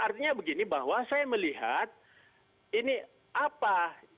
artinya begini bahwa saya melihat ini apa